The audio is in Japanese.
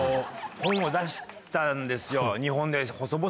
本を出したんですよ日本で。